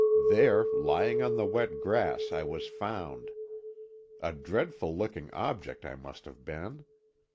There, lying on the wet grass, I was found. A dreadful looking object I must have been!